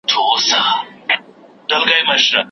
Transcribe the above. سپینو وېښتو ته جهاني هینداره نه ځلوم